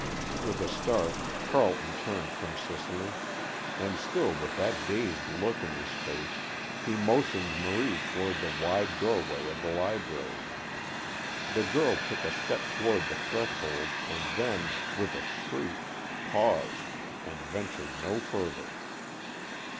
_" With a start, Carleton turned from Cicely, and still with that dazed look on his face, he motioned Marie toward the wide doorway of the library. The girl took a step toward the threshold, and then, with a shriek, paused, and ventured no further.